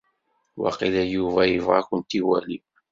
Waqila Yuba ibɣa ad akent-iwali.